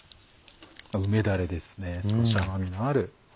梅だれですね少し甘みのある。